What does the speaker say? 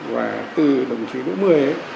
và từ đồng chí đỗ mười